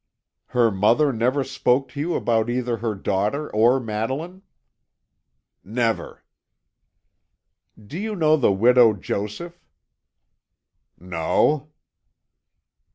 "Her mother never spoke to you about either her daughter or Madeline?" "Never." "Do you know the Widow Joseph?" "No."